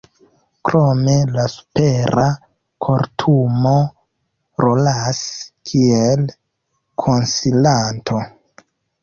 Krome la Supera Kortumo rolas kiel konsilanto.